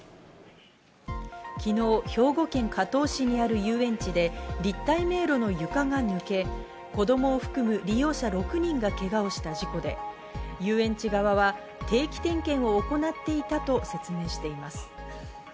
昨日、兵庫県加東市にある遊園地で立体迷路の床が抜け、子供を含む利用者６人がけがをした事故で、遊園地側は定期点検を行っていたと説明しています。